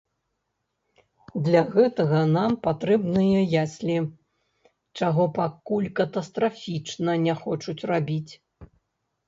Для гэтага нам патрэбныя яслі, чаго пакуль катастрафічна не хочуць рабіць.